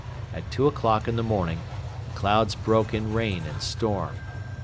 At two o'clock in the morning the clouds broke in rain and storm.